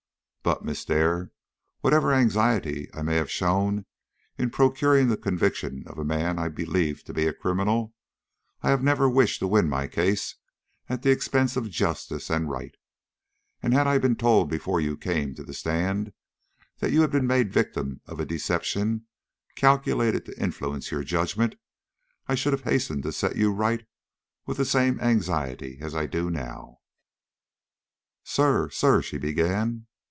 But, Miss Dare, whatever anxiety I may have shown in procuring the conviction of a man I believed to be a criminal, I have never wished to win my case at the expense of justice and right; and had I been told before you came to the stand that you had been made the victim of a deception calculated to influence your judgment, I should have hastened to set you right with the same anxiety as I do now." "Sir sir " she began.